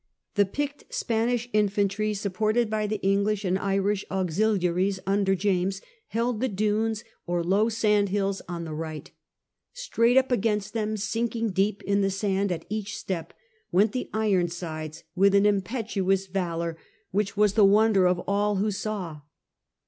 The picked Spanish infantry, supported by the English and Irish auxiliaries under Battle of James, held the dunes or low sandhills on the the Dunes, right. Straight up against them, sinking deep x6"8. 13 * in the sand at each step, went the Ironsides with an impetuous valour which was the wonder of all who saw.